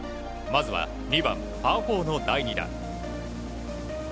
まずは２番、パー４の第２打。